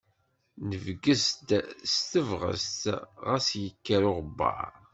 Nebges-d s tebɣest, ɣas yekker uɣebbaṛ.